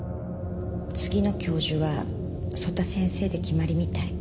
次の教授は曽田先生で決まりみたい。